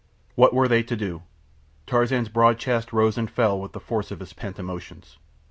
What were they to do? Tarzan's broad chest rose and fell to the force of his pent emotions.